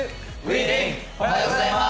おはようございます。